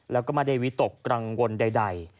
แล้วก็ไม่ได้วิตกกังวลใด